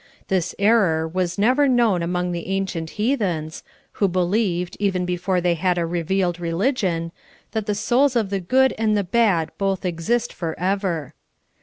This error was never known among the ancient heathens, who believed, even before they had a revealed religion, that the souls of the good and the bad both exist forever.